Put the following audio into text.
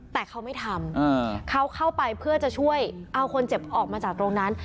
แต่เขาไม่ทำเขาเข้าไปเพื่อจะช่วยเอาคนเจ็บออกมาจากตรงนั้น